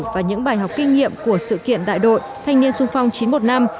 và những bài học kinh nghiệm của sự kiện đại đội thanh niên sung phong chín mươi một năm